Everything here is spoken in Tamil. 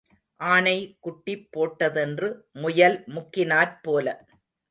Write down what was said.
ஆனை குட்டி போட்டதென்று முயல் முக்கினாற்போல.